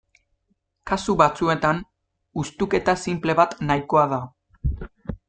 Kasu batzuetan, hustuketa sinple bat nahikoa da.